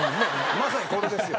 まさにこれですよ。